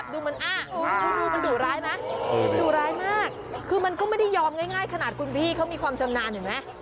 ดูมันดุร้ายมากคือมันก็ไม่ได้ยอมง่ายขนาดคุณพี่เขามีความจำนานเห็นไหม